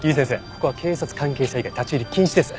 ここは警察関係者以外立ち入り禁止です。